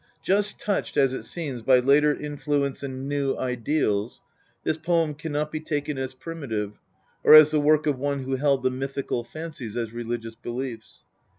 Just touched, as it seems, by later influence and new ideals, this poem cannot be taken as primitive, or as the work of one who held the mythical fancies as religious beliefs.